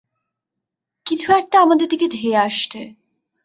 কিছু একটা আমাদের দিকে ধেয়ে আসছে!